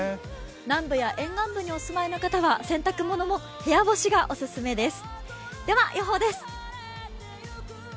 南部や沿岸部にお住まいの方は洗濯物も部屋干しがお勧めです。